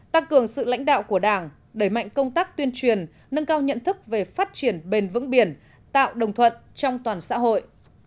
tăng cường sự lãnh đạo của đảng đẩy mạnh công tác tuyên truyền nâng cao nhận thức về phát triển bền vững biển tạo đồng thuận trong toàn xã hội